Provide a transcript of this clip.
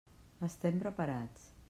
Estem preparats.